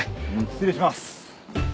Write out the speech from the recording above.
失礼します。